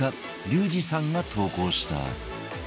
リュウジさんが投稿した